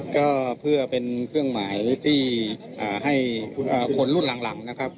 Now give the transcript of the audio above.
ก็เพื่อเป็นเครื่องหมายที่ให้คนรุ่นหลังนะครับ